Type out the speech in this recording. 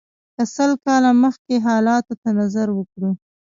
که سل کاله مخکې حالاتو ته نظر وکړو.